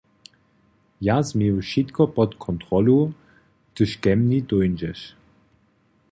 Ja změju wšitko pod kontrolu, hdyž ke mni dóńdźeš.